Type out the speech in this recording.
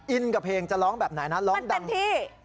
อินกับเพลงจะร้องแบบไหนนะร้องดังที่